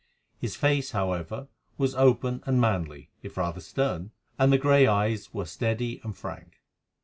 His face, however, was open and manly, if rather stern, and the grey eyes were steady and frank.